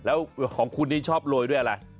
แล้วของคุณนี่ชอบโรยด้วยอะไร